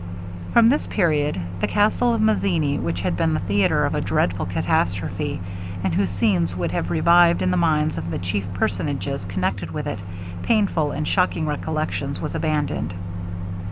From this period the castle of Mazzini, which had been the theatre of a dreadful catastrophe; and whose scenes would have revived in the minds of the chief personages connected with it, painful and shocking reflections was abandoned.